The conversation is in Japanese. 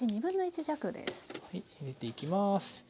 入れていきます。